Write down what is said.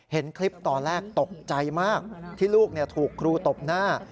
เห็นคลิปตอนแรกตกใจมากที่ลูกถูกครูตบหน้า